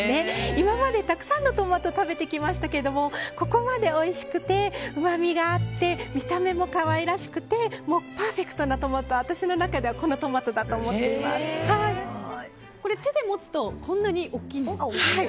今までたくさんのトマトを食べてきましたけどここまでおいしくてうまみがあって見た目も可愛らしくてパーフェクトなトマトは私の中ではこのトマトだと手で持つと、こんなに大きいんですね。